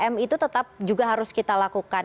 tiga m itu tetap juga harus kita lakukan